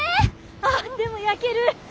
あっでも焼ける！